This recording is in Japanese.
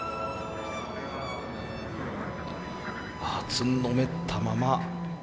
つんのめったまま。